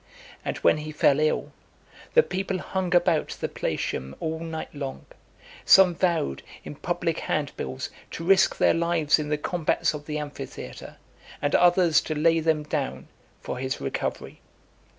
And when he fell ill, the people hung about the Palatium all night long; some vowed, in public handbills, to risk their lives in the combats of the amphitheatre, and others to lay them down, for his recovery.